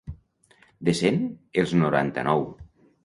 De cent, els noranta-nou.